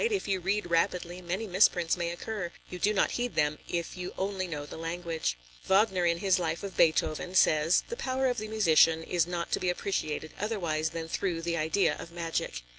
"If you read rapidly, many misprints may occur; you do not heed them, if you only know the language." Wagner in his life of Beethoven says: "The power of the musician is not to be appreciated otherwise than through the idea of magic."